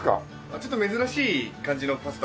ちょっと珍しい感じのパスタを。